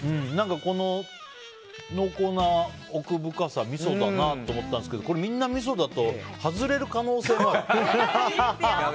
濃厚な奥深さはみそだなと思ったんですけどこれ、みんなみそだと外れる可能性が。